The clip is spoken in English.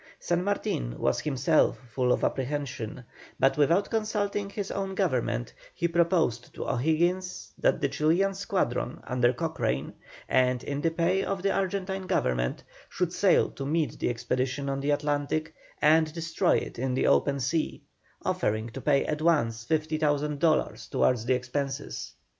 San Martin was himself full of apprehension, but without consulting his own Government, he proposed to O'Higgins that the Chilian squadron, under Cochrane, and in the pay of the Argentine Government, should sail to meet the expedition on the Atlantic and destroy it in the open sea, offering to pay at once 50,000 dollars towards the expenses.